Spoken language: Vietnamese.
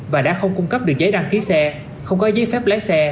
và đã không cung cấp được giấy đăng ký xe không có giấy phép lái xe